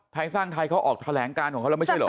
ไทยสร้างไทยเขาออกแถลงการของเขาแล้วไม่ใช่เหรอ